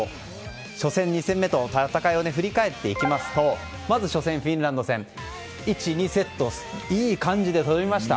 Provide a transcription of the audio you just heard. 初戦、２戦目と戦いを振り返っていきますとまず初戦、フィンランド戦１、２セットいい感じで取りました。